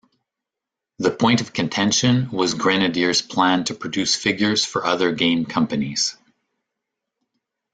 The point of contention was Grenadier's plans to produce figures for other game companies.